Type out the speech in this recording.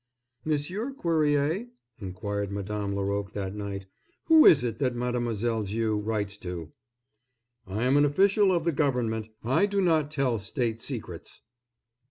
"Monsieur Cuerrier," inquired Madame Laroque that night, "who is it that Mademoiselle Viau writes to?" "I am an official of the government. I do not tell state secrets."